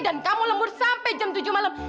kamu lembur sampai jam tujuh malam